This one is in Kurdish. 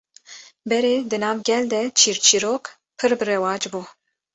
Berê di nav gel de çîrçîrok pir bi rewac bû